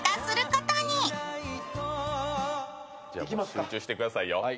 集中してくださいよ。